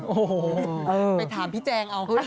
ไปถามพี่แจงเอาเฮ้ย